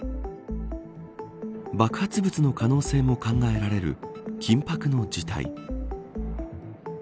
爆発物の可能性も考えられる緊迫の事態。